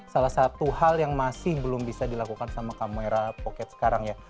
salah satu hal yang masih belum bisa dilakukan sama kamera pocket sekarang ya